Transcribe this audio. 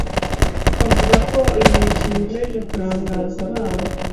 bavuga ko iyi mikino ikomeje kurangaza abana